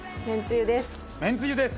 めんつゆです。